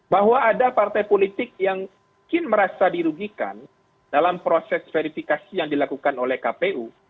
bahwa ada partai politik yang mungkin merasa dirugikan dalam proses verifikasi yang dilakukan oleh kpu